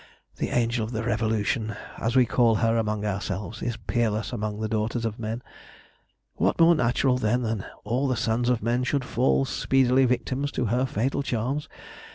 The Angel of the Revolution, as we call her among ourselves, is peerless among the daughters of men. What more natural, then, that all the sons of men should fall speedy victims to her fatal charms?